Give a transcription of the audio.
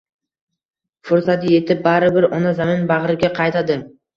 fursati yetib, baribir ona zamin bag‘riga qaytadi.